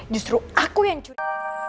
justru aku yang curiga